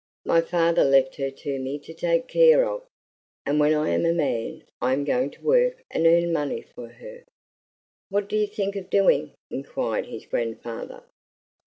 My father left her to me to take care of, and when I am a man I am going to work and earn money for her." "What do you think of doing?" inquired his grandfather.